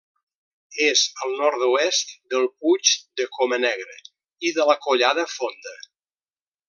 És al nord-oest del Puig de Coma Negra i de la Collada Fonda.